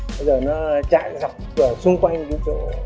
bây giờ nó chạy dọc xung quanh những chỗ